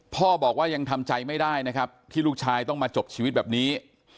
พ่อบอกว่ายังทำใจไม่ได้นะครับที่ลูกชายต้องมาจบชีวิตแบบนี้